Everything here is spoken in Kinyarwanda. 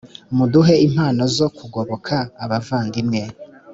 muduhe impano zo kugoboka abavandimwe